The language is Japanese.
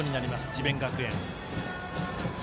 智弁学園。